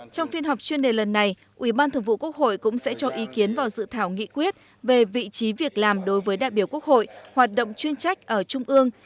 trong phiên họp chuyên đề lần này ubthqh cũng sẽ cho ý kiến vào dự thảo nghị quyết về vị trí việc làm đối với đại biểu quốc hội hoạt động chuyên trách ở trung ương